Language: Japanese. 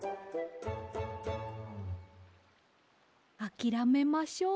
あきらめましょう。